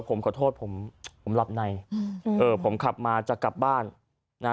ผมขอโทษผมผมหลับในอืมเออผมขับมาจะกลับบ้านนะ